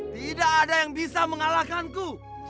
tidak ada yang bisa mengalahkanku